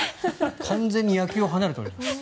完全に野球を離れております。